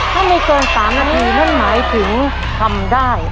ถ้าไม่เกิน๓นาทีนั่นหมายถึงทำได้